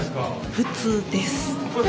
普通です。